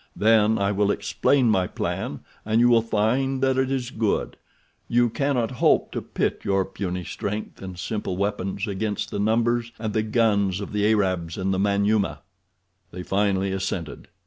Then I will explain my plan, and you will find that it is good. You cannot hope to pit your puny strength and simple weapons against the numbers and the guns of the Arabs and the Manyuema." They finally assented.